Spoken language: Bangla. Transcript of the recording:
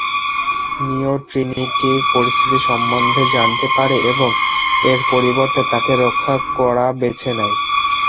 নিও ট্রিনিটির পরিস্থিতি সম্বন্ধে জানতে পারে এবং এর পরিবর্তে তাকে রক্ষা করা বেছে নেয়।